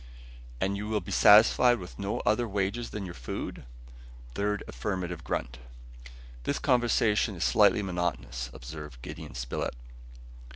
"And you will be satisfied with no other wages than your food?" Third affirmative grunt. "This conversation is slightly monotonous," observed Gideon Spilett.